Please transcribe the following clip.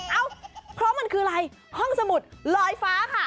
เอ้าเพราะมันคืออะไรห้องสมุดลอยฟ้าค่ะ